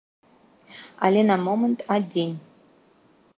Але на момант адзін.